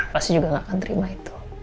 pasti juga gak akan terima itu